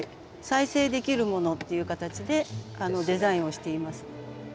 再生できるものっていう形でデザインをしています。